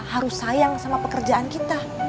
harus sayang sama pekerjaan kita